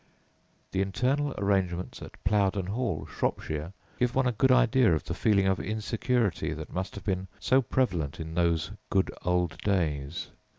The internal arrangements at Plowden Hall, Shropshire, give one a good idea of the feeling of insecurity that must have been so prevalent in those "good old days."